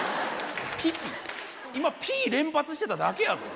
今ぴ連発してただけやぞ。